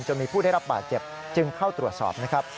มีผู้ได้รับบาดเจ็บจึงเข้าตรวจสอบนะครับ